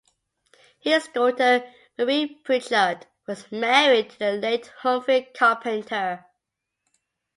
His daughter, Mari Prichard, was married to the late Humphrey Carpenter.